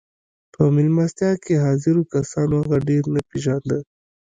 په مېلمستیا کې حاضرو کسانو هغه ډېر نه پېژانده